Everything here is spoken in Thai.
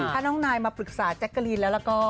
ถ้าน้องนายมาปรึกษาแจ๊กกะลีนแล้วก็